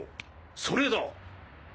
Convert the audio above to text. それだ！